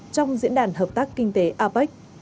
trong diễn đàn hợp tác kinh tế apec